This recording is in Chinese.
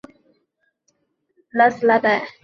拉斯拉代。